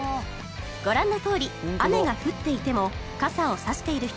ご覧のとおり雨が降っていても傘を差している人は誰もいません